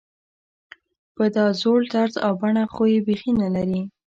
په دا زوړ طرز او بڼه خو یې بېخي نلري.